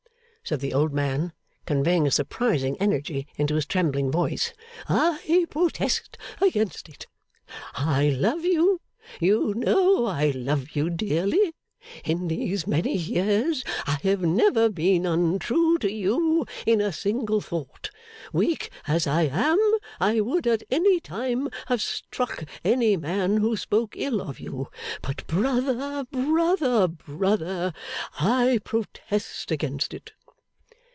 said the old man, conveying a surprising energy into his trembling voice, 'I protest against it! I love you; you know I love you dearly. In these many years I have never been untrue to you in a single thought. Weak as I am, I would at any time have struck any man who spoke ill of you. But, brother, brother, brother, I protest against it!